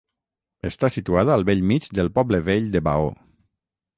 Està situada al bell mig del poble vell de Baó.